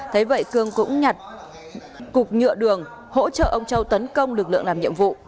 thế vậy cương cũng nhặt cục nhựa đường hỗ trợ ông châu tấn công lực lượng làm nhiệm vụ